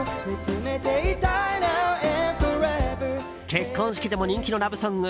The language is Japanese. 結婚式でも人気のラブソング